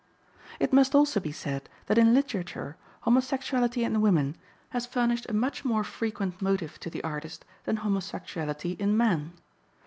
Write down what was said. It must also be said that in literature homosexuality in women has furnished a much more frequent motive to the artist than homosexuality in men.